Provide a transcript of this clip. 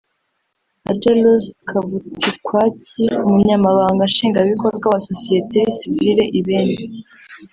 Agelous Kavutikwaki Umunyamabanga Nshingabikorwa wa Sosiyete Sivile i Beni